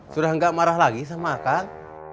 sudah gak marah lagi sama akal